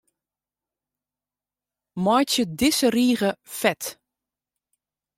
Meitsje dizze rige fet.